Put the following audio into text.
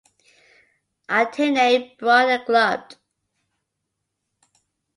Antennae broad and clubbed.